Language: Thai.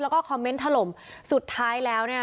แล้วก็คอมเมนต์ถล่มสุดท้ายแล้วเนี่ย